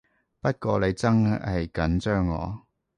不過你真係緊張我